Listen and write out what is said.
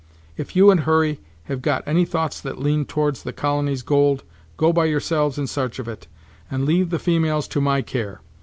If you and Hurry have got any thoughts that lean towards the colony's gold, go by yourselves in s'arch of it, and leave the females to my care.